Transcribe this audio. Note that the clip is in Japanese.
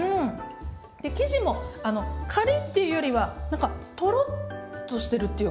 生地もあのカリッていうよりは何かトロッとしてるっていうか。